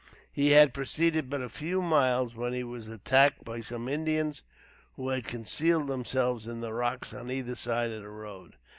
He had proceeded but a few miles when he was attacked by some Indians who had concealed themselves in the rocks on either side of the road.